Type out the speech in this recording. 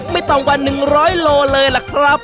ไม่ต่อมา๑๐๐โลเลยล่ะครับ